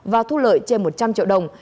và thu lợi trên một trăm linh triệu đồng